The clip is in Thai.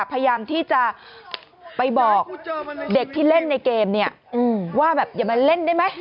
พยายามที่จะไปบอกเด็กที่เล่นในเกมเนี่ยว่าแบบอย่ามาเล่นได้ไหม